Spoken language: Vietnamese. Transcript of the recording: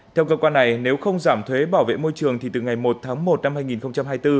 theo cơ quan này nếu không giảm thuế bảo vệ môi trường thì từ ngày một tháng một năm hai nghìn hai mươi bốn